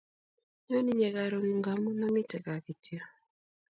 nyoon inye karun ngamun amiten kaa kityok.